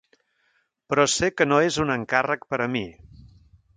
Però sé que no és un encàrrec per a mi.